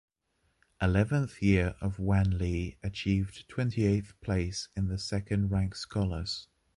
Eleventh year of Wanli, achieved twenty-eighth place in the second rank scholars.